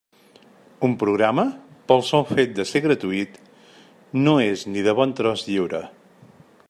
Un programa, pel sol fet de ser gratuït, no és ni de bon tros lliure.